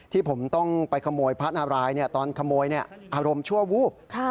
ที่ผมต้องไปขโมยพระนารายตอนขโมยอารมณ์ชั่ววูบ